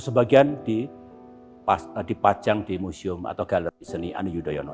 sebagian dipajang di museum atau galeri seni ani yudhoyono